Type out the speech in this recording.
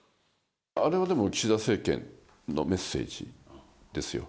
あれはでも、岸田政権へのメッセージですよ。